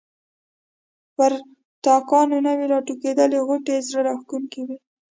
پر تاکانو نوي راټوکېدلي غوټۍ زړه راکښونکې وې.